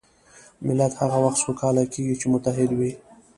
ملت هغه وخت سوکاله کېږي چې متحد وي.